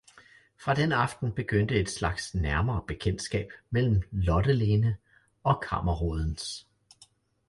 Fra den aften begyndte et slags nærmere bekendtskab mellem Lotte-Lene og kammerrådens.